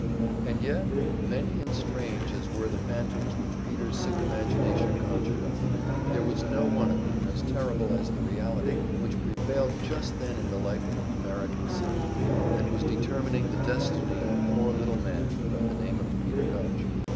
And yet, many and strange as were the phantoms which Peter's sick imagination conjured up, there was no one of them as terrible as the reality which prevailed just then in the life of American City, and was determining the destiny of a poor little man by the name of Peter Gudge.